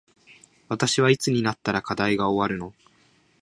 私はいつになったら課題が終わるの